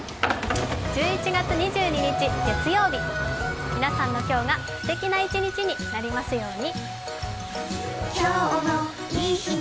１１月２２日皆さんの今日が素敵な一日になりますように。